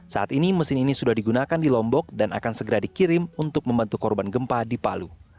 saat ini mesin ini sudah digunakan di lombok dan akan segera dikirim untuk membantu korban gempa di palu